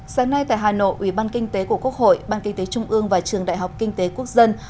sáng nay tại hà nội ủy ban kinh tế của quốc hội ban kinh tế trung ương và trường đại học kinh tế quốc dân